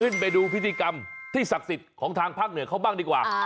ไปดูพิธีกรรมที่ศักดิ์สิทธิ์ของทางภาคเหนือเขาบ้างดีกว่า